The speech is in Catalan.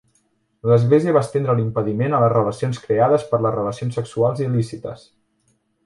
L'església va estendre l'impediment a les relacions creades per les relacions sexuals il·lícites.